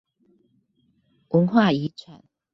文化遺產